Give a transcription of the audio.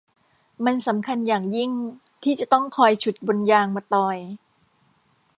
มันสำคัญอย่างยิ่งที่จะต้องคอยฉุดบนยางมะตอย